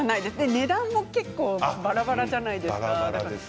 値段も結構ばらばらじゃないですか。